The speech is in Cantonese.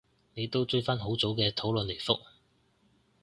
你都追返好早嘅討論嚟覆